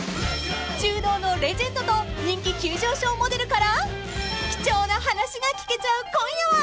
［柔道のレジェンドと人気急上昇モデルから貴重な話が聞けちゃう今夜は］